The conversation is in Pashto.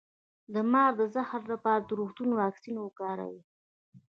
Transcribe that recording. د مار د زهر لپاره د روغتون واکسین وکاروئ